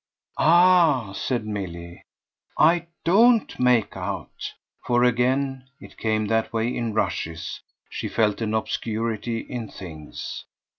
"Ah," said Milly, "I DON'T make out;" for again it came that way in rushes she felt an obscurity in things.